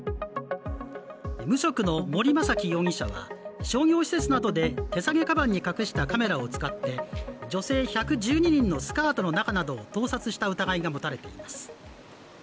無職の森雅紀容疑者は商業施設などで手提げかばんなどに隠したカメラを使って女性１１２人のスカートの中などを盗撮した疑いが持たれています。